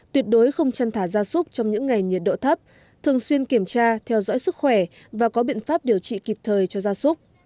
tuyệt đối không chăn thả ra súc trong những ngày nhiệt độ thấp thường xuyên kiểm tra theo dõi sức khỏe và có biện pháp điều trị kịp thời cho gia súc